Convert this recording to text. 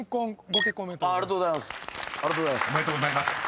［おめでとうございます］